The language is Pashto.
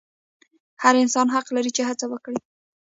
هر انسان حق لري چې هڅه وکړي.